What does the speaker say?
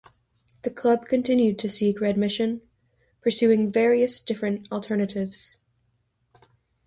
The club continued to seek readmission, pursuing various different alternatives.